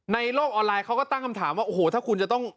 ในโลกออนไลน์เขาก็ตั้งคำถามว่าโอ้โหถ้าคุณจะต้อง